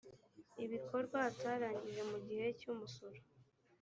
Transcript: ibikorwa atarangije mu gihe cy’umusoro